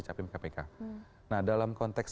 capim kpk nah dalam konteks